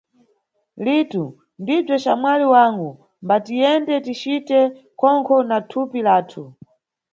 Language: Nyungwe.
Litu: Ndibzo xamwali wangu, mbatiyende ticite khonkho na thupi lathu.